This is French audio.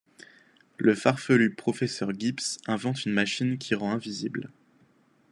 Le farfelu Professeur Gibbs invente une machine qui rend invisible.